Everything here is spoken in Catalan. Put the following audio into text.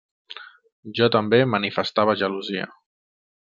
Jo també manifestava gelosia.